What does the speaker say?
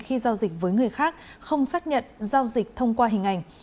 khi giao dịch với người khác không xác nhận giao dịch thông qua hình ảnh